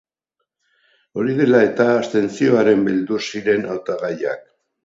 Hori dela eta, abstentzioaren beldur ziren hautagaiak.